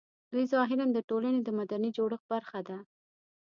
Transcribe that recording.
دوی ظاهراً د ټولنې د مدني جوړښت برخه ده